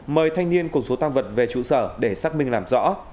mời thanh niên cùng số tăng vật về trụ sở để xác minh làm rõ